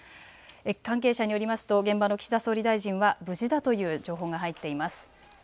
関係者によりますと現場の岸田総理大臣は無事だという情報が入っています。